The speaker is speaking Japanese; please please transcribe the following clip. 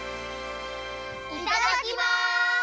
いただきます！